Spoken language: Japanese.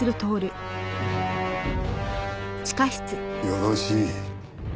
よろしい。